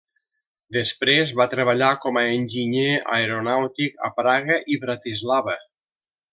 Després va treballar com a enginyer aeronàutic a Praga i Bratislava.